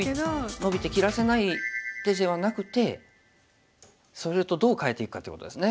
ノビて切らせない手ではなくてそれとどう代えていくかっていうことですね。